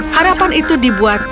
harapan itu dibuat